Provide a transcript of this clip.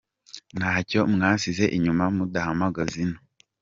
Ntacyo mwasize inyuma muduhamagaza ino.